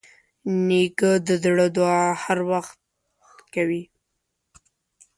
نیکه د زړه دعا هر وخت کوي.